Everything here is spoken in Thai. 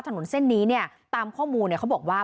ถนนเส้นนี้ตามข้อมูลเขาบอกว่า